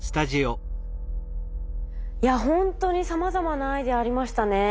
いやほんとにさまざまなアイデアありましたね。